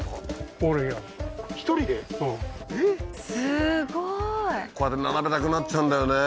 すごいこうやって並べたくなっちゃうんだよね